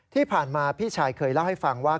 ที่ผ่านมาพี่ชายเคยเล่าให้ฟังว่า